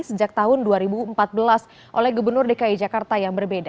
sejak tahun dua ribu empat belas oleh gubernur dki jakarta yang berbeda